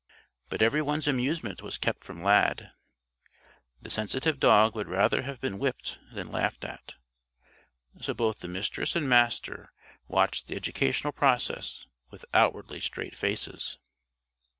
But everyone's amusement was kept from Lad. The sensitive dog would rather have been whipped than laughed at. So both the Mistress and Master watched the educational process with outwardly straight faces.